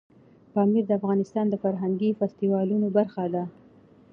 پامیر د افغانستان د فرهنګي فستیوالونو برخه ده.